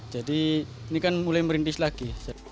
jadi ini kan mulai merintis lagi